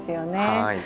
はい。